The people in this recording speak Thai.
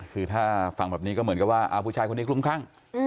คือถ้าฟังแบบนี้ก็เหมือนกับว่าผู้ชายคนนี้คลุ้มคลั่ง